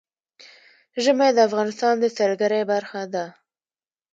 ژمی د افغانستان د سیلګرۍ برخه ده.